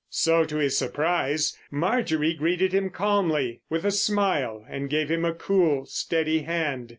So, to his surprise, Marjorie greeted him calmly, with a smile, and gave him a cool, steady hand.